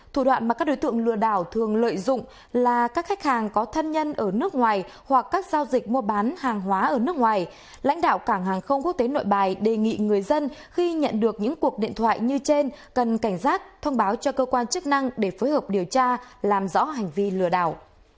thủ đoạn mà các đối tượng lừa đảo thường lợi dụng là các khách hàng có thân nhân ở nước ngoài hoặc các giao dịch mua bán hàng hóa ở nước ngoài lãnh đạo cảng hàng không quốc tế nội bài đề nghị người dân khi nhận được những cuộc điện thoại như trên cần cảnh giác thông báo cho cơ quan chức năng để phối hợp điều tra làm rõ hành vi lừa đảo